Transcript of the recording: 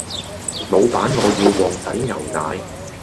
老闆我要旺仔牛奶